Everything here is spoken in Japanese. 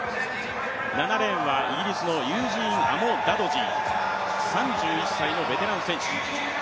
７レーンはイギリスのユージーン・アモダドジー、３１歳のベテラン選手。